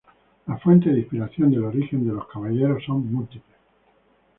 Las fuentes de inspiración del origen de los Caballeros son múltiples.